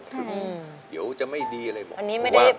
เดี๋ยวจะไม่ดีเลย